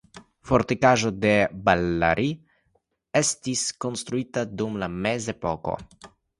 Fortikaĵo de Ballari estis konstruita dum la mezepoko.